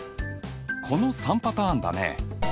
この３パターンだね。